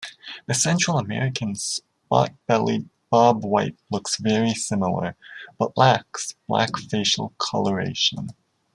The Central American spot-bellied bobwhite looks very similar, but lacks black facial coloration.